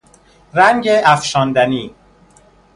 رنگ افشاندنی